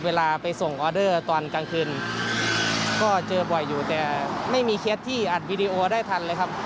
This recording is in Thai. เวลาไปส่งออเดอร์ตอนกลางคืนก็เจอบ่อยอยู่แต่ไม่มีเคสที่อัดวิดีโอได้ทันเลยครับ